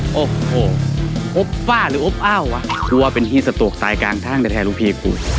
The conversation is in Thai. อะโหโอ้โอฟว่าหรือแบบเป็นห้ีสะดวกตายกลางทางแต่แทร่ลูกพี่